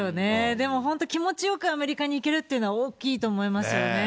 でも本当、気持ちよくアメリカに行けるっていうのは大きいと思いますよね。